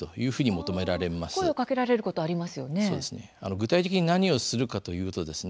具体的に何をするかというとですね